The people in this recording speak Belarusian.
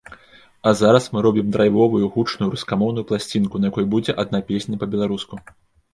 А зараз мы робім драйвовую, гучную рускамоўную пласцінку, на якой будзе адна песня па-беларуску.